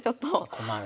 困る。